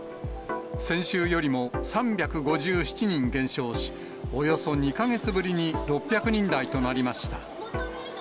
先週よりも３５７人減少し、およそ２か月ぶりに６００人台となりました。